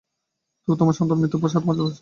ও তোমার সন্তান, মৃত্যুর সাথে পাঞ্জা লড়ছে।